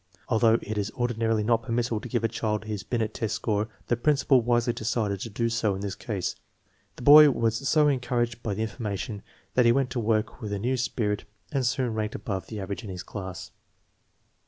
Although it is ordi narily not permissible to give a child his Binet test score, the principal wisely decided to do so in this case. The boy was so encouraged by the information that he went to work with a new spirit and soon ranked above the average in his class.